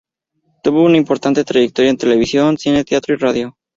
Tuvo una importante trayectoria en televisión, cine, teatro y radio.